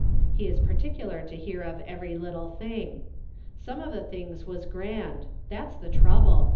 He is particular to hear of every little thing. Some of the things was grand. That's the trouble.